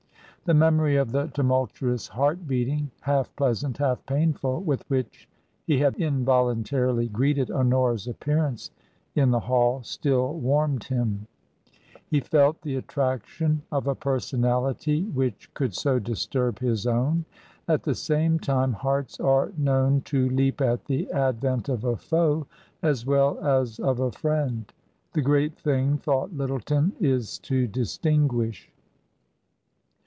The memory of the tumultuous heart beating — half pleasant, half painful — with which he had involuntarily greeted Honora's appearance in the hall still warmed him. He t2$ TRANSITION. felt the attraction of a personalityr which could so disturb hii own. At the same time hearts are known to leap at the advent of a foe as well as of a friend. The great thing, thought Lyttleton, is to distinguish.